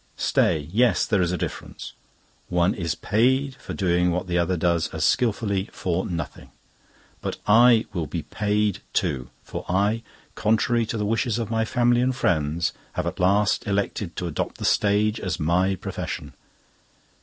"Stay! Yes, there is a difference. One is paid for doing what the other does as skilfully for nothing! "But I will be paid, too! For I, contrary to the wishes of my family and friends, have at last elected to adopt the stage as my profession.